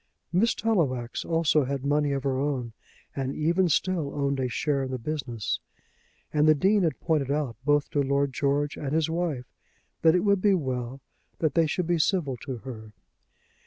Miss Tallowax, also, had money of her own, and even still owned a share in the business; and the Dean had pointed out, both to Lord George and his wife, that it would be well that they should be civil to her.